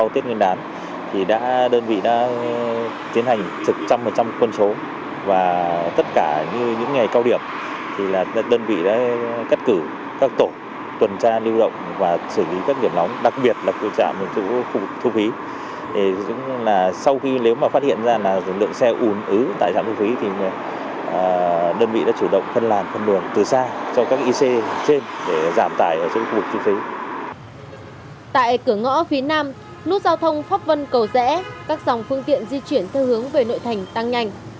tại cửa ngõ phía nam nút giao thông phóp vân cầu rẽ các dòng phương tiện di chuyển theo hướng về nội thành tăng nhanh